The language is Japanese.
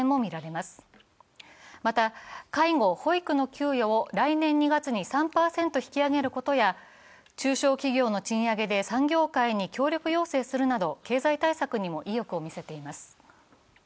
また、介護・保育の給与を来年２月に３％引き上げることや、中小企業の賃上げで産業界に協力要請するなど経済対策にも意欲を見せています。